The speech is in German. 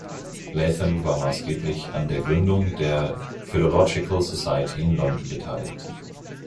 Latham war maßgeblich an der Gründung der Philological Society in London beteiligt.